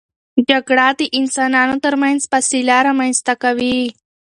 جګړه د انسانانو ترمنځ فاصله رامنځته کوي.